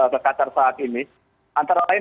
ke qatar saat ini antara lain